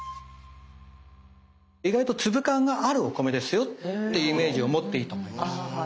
意外と粒感があるお米ですよっていうイメージを持っていいと思います。